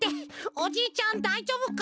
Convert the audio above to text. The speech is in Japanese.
おじいちゃんだいじょうぶか？